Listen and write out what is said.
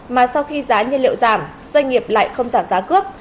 mà sau khi giá nhiên liệu giảm doanh nghiệp lại không giảm giá cước